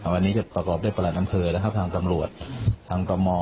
วันนี้ก็ประกอบด้วยประหลัดอำเภอนะครับทางตำรวจทางกม